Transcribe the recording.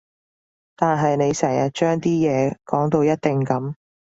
但係你成日將啲嘢講到一定噉